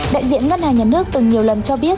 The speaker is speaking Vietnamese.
đại diện ngân hàng nhà nước từng nhiều lần cho biết